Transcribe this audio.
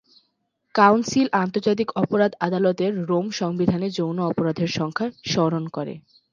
Council আন্তর্জাতিক অপরাধ আদালতের রোম সংবিধানে যৌন অপরাধের সংখ্যা স্মরণ করে।